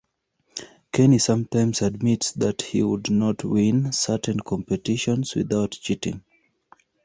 Kenny sometimes admits that he would not win certain competitions without cheating.